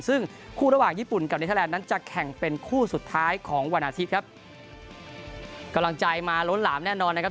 ซึ่งคู่ระหว่างญี่ปุ่นกับเนเทอร์แลนดนั้นจะแข่งเป็นคู่สุดท้ายของวันอาทิตย์ครับกำลังใจมาล้นหลามแน่นอนนะครับ